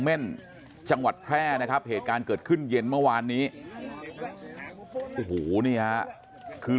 เม่นจังหวัดแพร่นะครับเหตุการณ์เกิดขึ้นเย็นเมื่อวานนี้โอ้โหนี่ฮะคือ